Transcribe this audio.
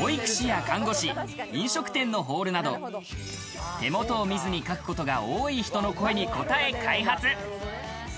保育士や看護師、飲食店のホールなど、手元を見ずに書くことが多い人の声に応え開発。